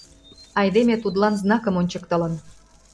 Айдеме тудлан знакым ончыктылын.